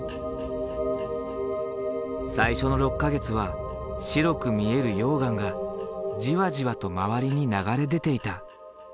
最初の６か月は白く見える溶岩がじわじわと周りに流れ出ていた。